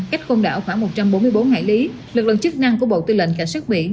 cách côn đảo khoảng một trăm bốn mươi bốn hải lý lực lượng chức năng của bộ tư lệnh cảnh sát biển